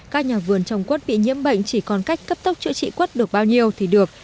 các nhà vườn trồng quất bị nhiễm bệnh chỉ còn cách cấp tốc chữa trị quất được bao nhiêu thì được